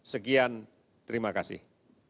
sekian terima kasih